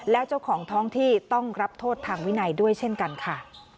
แล้วเจ้าของท้องที่ต้องรับโทษทางวินัยด้วยเช่นกันค่ะ